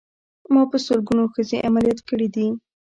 ما په سلګونو ښځې عمليات کړې دي.